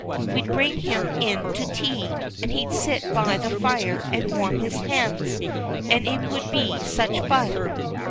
We'd bring him in to tea, and he'd sit by the fire and warm his hands, and it would be such fun."